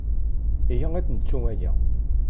Iyya ad nettu aya.